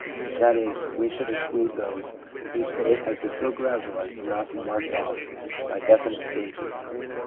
That is, we should exclude those whose growth has been so gradual as not to be marked off by definite stages.